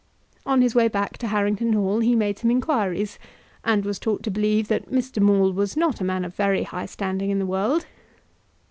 On his way back to Harrington Hall he made some inquiries, and was taught to believe that Mr. Maule was not a man of very high standing in the world.